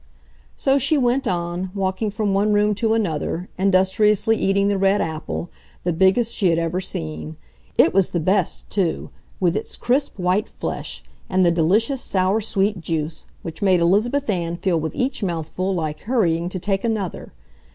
So she went on, walking from one room to another, industriously eating the red apple, the biggest she had ever seen. It was the best, too, with its crisp, white flesh and the delicious, sour sweet juice which made Elizabeth Ann feel with each mouthful like hurrying to take another.